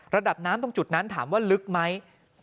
ระดับน้ำตรงจุดนั้นถามว่าลึกไหม